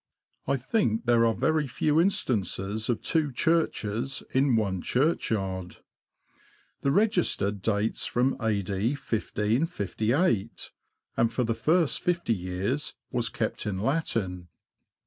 I think there are very few instances of two churches in one churchyard. The register dates from A.D. 1558, and for the first fifty years was kept in Latin.